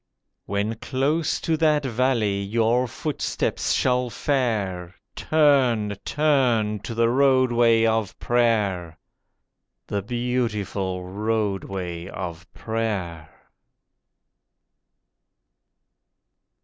When close to that Valley your footsteps shall fare, Turn, turn to the Roadway of Prayer— The beautiful Roadway of Prayer.